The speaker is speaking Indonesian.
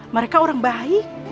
mereka orang baik